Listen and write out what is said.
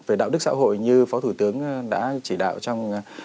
về đạo đức xã hội như phó thủ tướng đã chỉ đạo trong